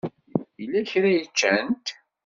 Yella kra i ččant?